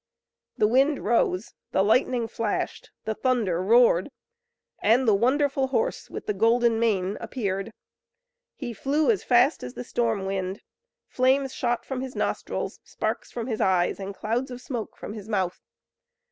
The wind rose, the lightning flashed, the thunder roared, and the wonderful horse with the golden mane appeared. He flew as fast as the storm wind, flames shot from his nostrils, sparks from his eyes, and clouds of smoke from his mouth.